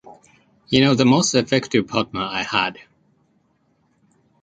You know, the most effective partner I had.